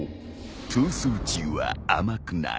逃走中は甘くない。